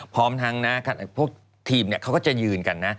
พร้อมทั้งนะพวกทีมเขาก็จะยืนกันนะ